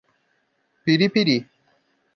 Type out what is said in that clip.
Piripiri